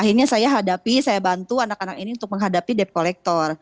akhirnya saya hadapi saya bantu anak anak ini untuk menghadapi debt collector